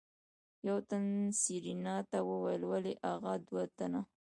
يو تن سېرېنا ته وويل ولې اغه دوه تنه.